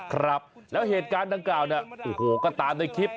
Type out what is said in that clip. ครับแล้วเหตุการณ์ดังกล่าวเนี่ยโอ้โหก็ตามในคลิป